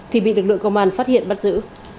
thì bị lực lượng công an phát hiện bắt giữ